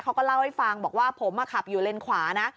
เขาก็เล่าให้ฟังบอกว่าผมขับอยู่เลนขวานะ